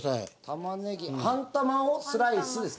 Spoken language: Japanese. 玉ねぎ半玉をスライスですかね？